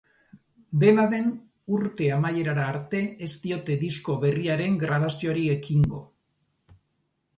Dena den, urte amaierara arte ez diote disko berriaren grabazioari ekingo.